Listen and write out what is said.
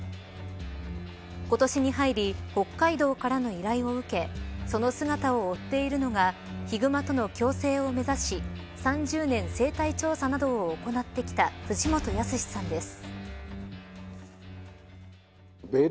今年に入り北海道からの依頼を受けその姿を追っているのがヒグマとの共生を目指し３０年生態調査などを行ってきた藤本靖さんです。